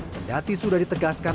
pendati sudah ditegaskan